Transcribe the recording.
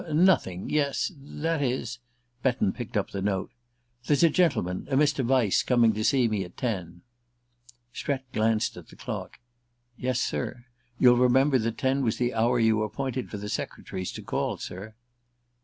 "Nothing. Yes that is " Betton picked up the note. "There's a gentleman, a Mr. Vyse, coming to see me at ten." Strett glanced at the clock. "Yes, sir. You'll remember that ten was the hour you appointed for the secretaries to call, sir."